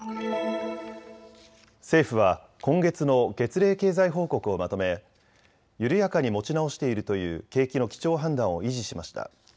政府は今月の月例経済報告をまとめ、緩やかに持ち直しているという景気の基調判断を維持しました。